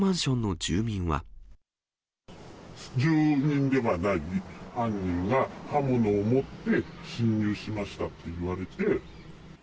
住民ではない犯人が、刃物を持って侵入しましたといわれて。